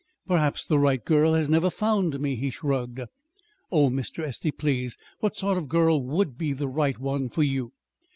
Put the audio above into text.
"Perhaps the right girl has never found me," he shrugged. "Oh, Mr. Estey, please, what sort of a girl would be the right one for you?"